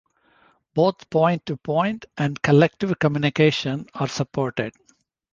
Both point-to-point and collective communication are supported.